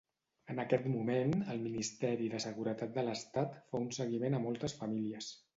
En aquest moment el Ministeri de Seguretat de l'Estat fa un seguiment a moltes famílies.